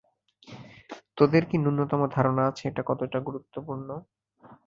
তোদের কি ন্যূনতম ধারণা আছে এটা কতটা গুরুত্বপূর্ণ?